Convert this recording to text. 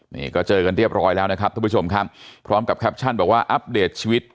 นี่ก็เจอกันเรียบร้อยแล้วนะครับทุกผู้ชมครับพร้อมกับแคปชั่นบอกว่าอัปเดตชีวิต